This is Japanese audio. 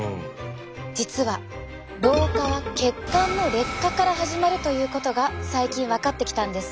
実は老化は血管の劣化から始まるということが最近分かってきたんです。